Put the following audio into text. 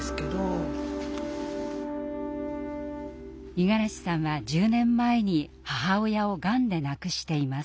五十嵐さんは１０年前に母親をがんで亡くしています。